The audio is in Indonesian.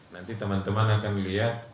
nanti teman teman akan lihat